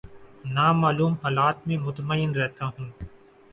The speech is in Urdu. نا معلوم حالات میں مطمئن رہتا ہوں